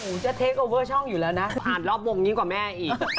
จะเทคโอเวอร์ช่องอยู่แล้วนะผ่านรอบวงยิ่งกว่าแม่อีก